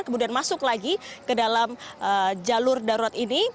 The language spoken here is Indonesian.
kemudian masuk lagi ke dalam jalur darurat ini